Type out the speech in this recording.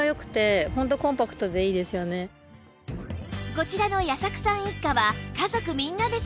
こちらの矢作さん一家は家族みんなで使っています